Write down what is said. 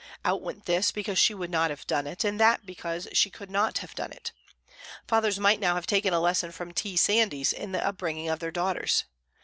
Out went this because she would not have done it, and that because she could not have done it. Fathers might now have taken a lesson from T. Sandys in the upbringing of their daughters.